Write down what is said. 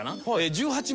１８万